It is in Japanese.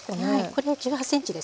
これは１８ｃｍですね。